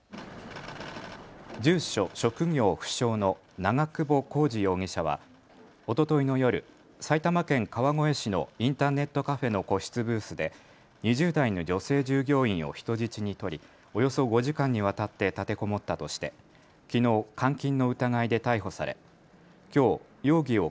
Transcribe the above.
住所・職業不詳の長久保浩二容疑者はおとといの夜、埼玉県川越市のインターネットカフェの個室ブースで２０代の女性従業員を人質に取りおよそ５時間にわたって立てこもったとしてきのう監禁の疑いで逮捕されきょう容疑を